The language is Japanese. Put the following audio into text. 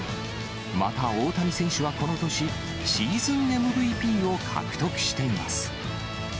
また大谷選手はこの年、シーズンＭＶＰを獲得しています。